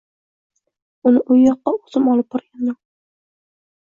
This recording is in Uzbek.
Uni u yoqqa o`zim olib borgandim